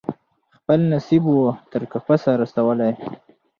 خپل نصیب وو تر قفسه رسولی